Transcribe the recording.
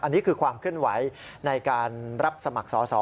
อันนี้คือความเคลื่อนไหวในการรับสมัครสอสอ